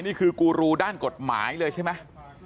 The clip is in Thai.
นี่คือกูรูด้านกฎหมายเลยใช่ไหม